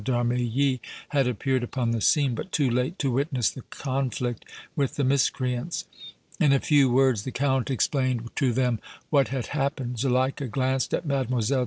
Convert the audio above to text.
d' Armilly had appeared upon the scene, but too late to witness the conflict with the miscreants. In a few words the Count explained to them what had happened. Zuleika glanced at Mlle.